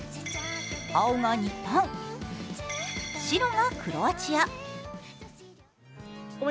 青が日本、白がクロアチア。